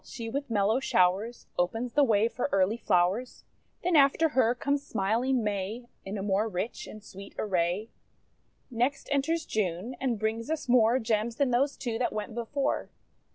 she with mellow showers Opens the way for early flowers. Then after her conies smiling May, In a more rich and sweet array. Next enters June, and brings us more Gems than those two that went before.